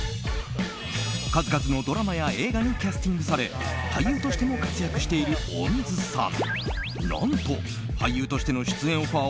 数々の映画やドラマにキャスティングされ俳優としても活躍している大水さん。